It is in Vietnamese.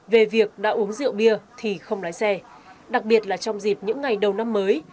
về việc đã uống rượu bia thì không lái xe đặc biệt là trong dịp những ngày đầu năm mới